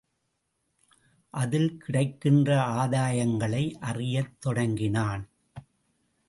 அதில் கிடைக்கின்ற ஆதாயங்களை அறியத் தொடங்கினான்.